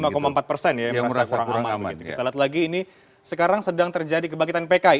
kita lihat lagi ini sekarang sedang terjadi kebangkitan pki